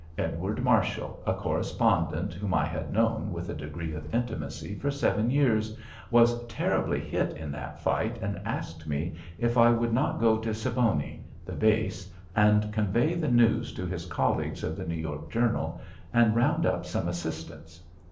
Edward Marshall, a correspondent whom I had known with a degree of intimacy for seven years, was terribly hit in that fight and asked me if I would not go to Siboney the base and convey the news to his colleagues of the New York Journal and round up some assistance.